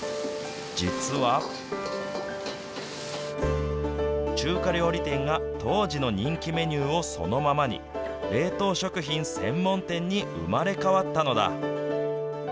実は、中華料理店が当時の人気メニューをそのままに、冷凍食品専門店に生まれ変わったのだ。